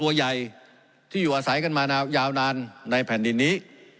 ตัวใหญ่ที่อยู่อาศัยกันมายาวนานในแผ่นดินนี้